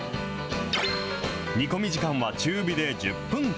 煮込み時間は中火で１０分間。